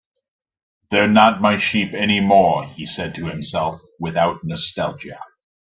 "They're not my sheep anymore," he said to himself, without nostalgia.